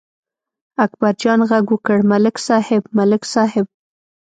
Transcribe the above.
اکبرجان غږ وکړ: ملک صاحب، ملک صاحب!